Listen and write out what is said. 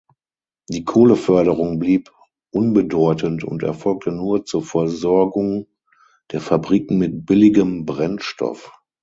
Die Kohleförderung blieb unbedeutend und erfolgte nur zur Versorgung der Fabriken mit billigem Brennstoff.